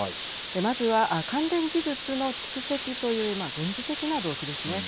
まずは、関連技術の蓄積という軍事的な動機ですね。